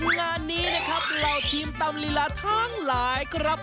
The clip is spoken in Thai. งานนี้เราทีมตำรีลาทั้งหลายครับ